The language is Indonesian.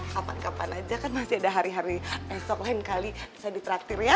kapan kapan aja kan masih ada hari hari esok lain kali saya ditraktir ya